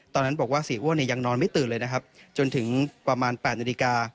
ตอนนั้นบอกว่าเสียอ้วนเนี่ยยังนอนไม่ตื่นเลยนะครับจนถึงประมาณ๘นาฬิกา